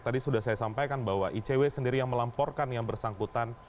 tadi sudah saya sampaikan bahwa icw sendiri yang melamporkan yang bersangkutan